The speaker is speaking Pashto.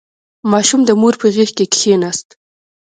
• ماشوم د مور په غېږ کښېناست.